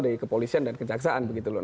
dari kepolisian dan kejaksaan begitu loh